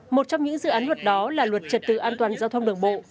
một trong những dự án luật đó là luật trật tự an toàn giao thông đường bộ